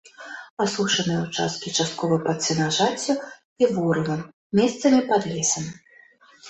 Асушаныя ўчасткі часткова пад сенажаццю і ворывам, месцамі пад лесам.